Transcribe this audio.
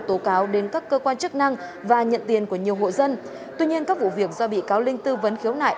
tố cáo đến các cơ quan chức năng và nhận tiền của nhiều hộ dân tuy nhiên các vụ việc do bị cáo linh tư vấn khiếu nại